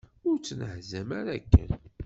Ur ttnehzam ara akken!